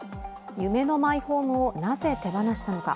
夢のマイホームをなぜ手放したのか。